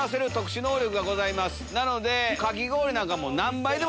なので。